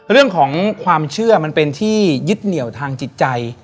เรื่องของความเชื่อมันเป็นที่ยึดเหนี่ยวทางจิตใจ